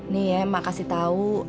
nih ya emang kasih tau